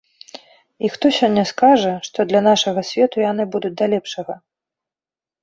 І хто сёння скажа, што для нашага свету яны будуць да лепшага?!